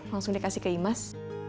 langsung dikasih ke imas